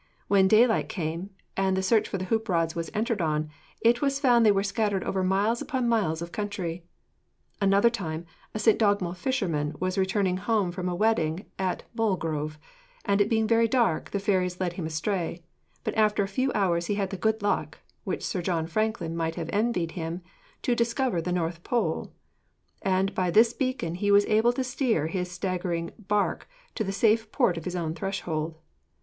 When daylight came, and the search for the hoop rods was entered on, it was found they were scattered over miles upon miles of country. Another time, a St. Dogmell's fisherman was returning home from a wedding at Moelgrove, and it being very dark, the fairies led him astray, but after a few hours he had the good luck (which Sir John Franklin might have envied him) to 'discover the North Pole,' and by this beacon he was able to steer his staggering barque to the safe port of his own threshold.